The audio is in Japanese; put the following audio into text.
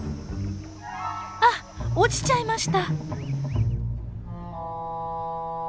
あっ落ちちゃいました。